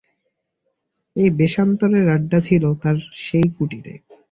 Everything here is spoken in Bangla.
এই বেশান্তরের আড্ডা ছিল তার সেই কুটিরে।